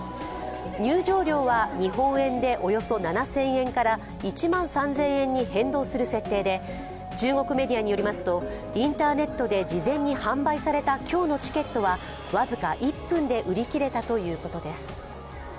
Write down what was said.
入場料は日本円でおよそ７０００円から１万３０００円に変動する設定で中国メディアによりますと、インターネットで事前に販売された今日のチケットは僅か１分で売り切れたということです。